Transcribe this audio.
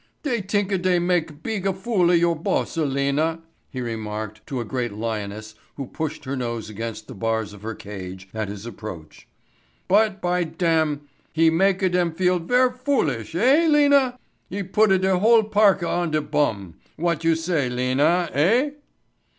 "Dey teenka day make beega foola of your boss, Lena," he remarked to a great lioness who pushed her nose against the bars of her cage at his approach, "but, by dam, he makea dem feel ver' foolish eh, Lena? He puta de whole parka on de bum. What you say, Lena, eh?"